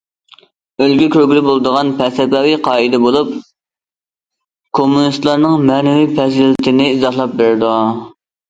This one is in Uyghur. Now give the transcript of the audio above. ئۈلگە كۆرگىلى بولىدىغان پەلسەپىۋى قائىدە بولۇپ، كوممۇنىستلارنىڭ مەنىۋى پەزىلىتىنى ئىزاھلاپ بېرىدۇ.